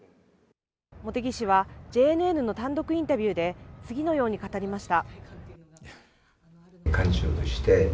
茂木氏はＪＮＮの単独インタビューで次のように語りました